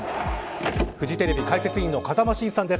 フジテレビ解説委員の風間晋さんです。